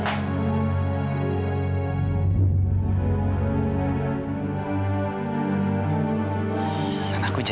dan akan lagi nyakitin kamu